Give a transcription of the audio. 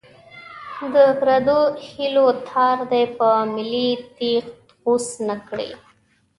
د پردو هیلو تار دې په ملي تېغ غوڅ نه کړي.